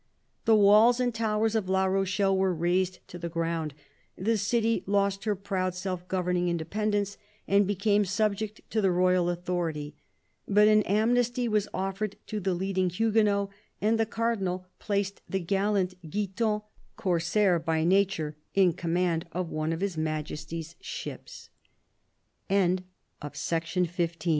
The walls and towers of La Rochelle were razed to the ground ; the city lost her proud self governing independence, and became subject to the royal authority. But an amnesty was offered to the leading Huguenots, and the Cardinal placed the gallant Guiton, corsair by nature, in command of one o